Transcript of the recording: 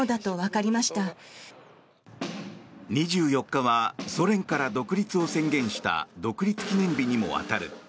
２４日はソ連から独立を宣言した独立記念日にも当たる。